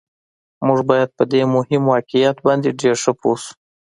موږ باید په دې مهم واقعیت باندې ډېر ښه پوه شو